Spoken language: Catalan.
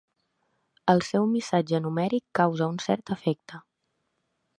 El seu missatge numèric causa un cert efecte.